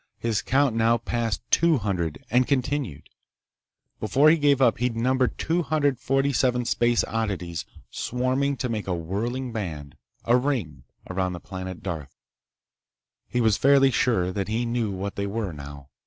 His count now passed two hundred and continued. Before he gave up he'd numbered two hundred forty seven space oddities swarming to make a whirling band—a ring—around the planet Darth. He was fairly sure that he knew what they were, now.